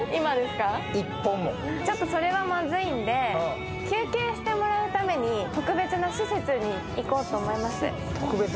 それはまずいので、休憩してもらうために特別に施設に行こうと思います。